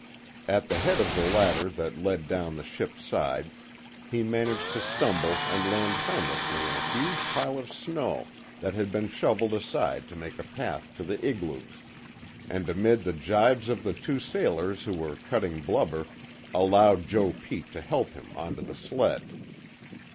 At the head of the ladder that led down the ship's side, he managed to stumble and land harmlessly in a huge pile of snow that had been shoveled aside to make a path to the igloos, and amid the jibes of the two sailors who were cutting blubber, allowed Joe Pete to help him onto the sled.